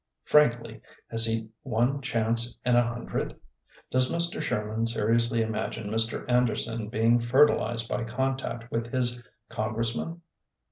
Frankly, has he one chance in a hundred? Does Mr. Sherman seriously imagine Mr. Anderson being fertilized by contact with his con gressman?